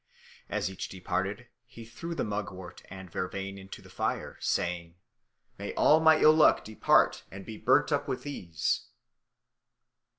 As each departed, he threw the mugwort and vervain into the fire, saying, "May all my ill luck depart and be burnt up with these."